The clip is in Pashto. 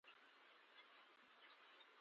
پیاله د قدر وړ ده.